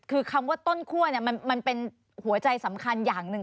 คือคำว่าต้นคั่วมันเป็นหัวใจสำคัญอย่างหนึ่ง